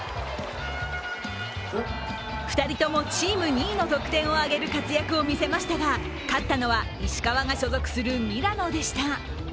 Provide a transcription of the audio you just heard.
２人ともチーム２位の得点を挙げる活躍を見せましたが、勝ったのは、石川が所属するミラノでした。